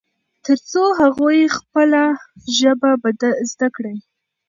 ترڅو هغوی خپله ژبه زده کړي.